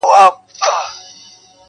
دا د باروتو د اورونو کیسې-